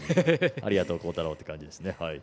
ありがとう幸太朗って感じですね。